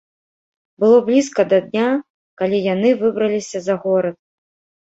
Было блізка да дня, калі яны выбраліся за горад.